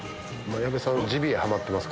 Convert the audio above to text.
矢部さんはジビエハマってます。